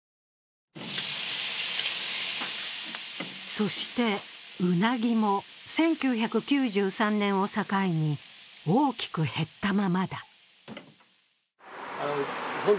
そして、ウナギも１９９３年を境に、大きく減ったままだ。